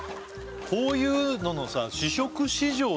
こういうののさああ